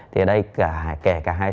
thì đây kể cả hai